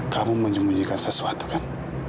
kamu menyembunyikan sesuatu kan